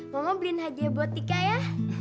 mama beliin hadiah buat tika ya